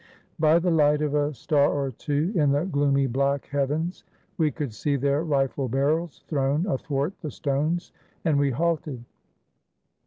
By the light of a star or two in the gloomy black heavens, we could see their rifle barrels thrown athwart the stones, and we halted.